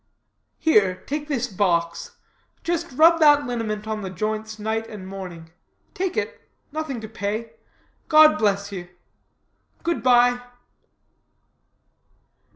Here, take this box; just rub that liniment on the joints night and morning. Take it. Nothing to pay. God bless you. Good bye."